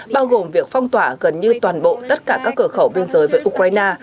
bao gồm việc phong tỏa gần như toàn bộ tất cả các cửa khẩu biên giới với ukraine